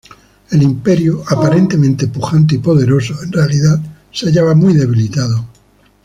El imperio, aparentemente pujante y poderoso, en realidad se hallaba muy debilitado.